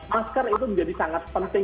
masker itu menjadi sangat penting